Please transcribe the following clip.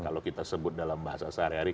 kalau kita sebut dalam bahasa sehari hari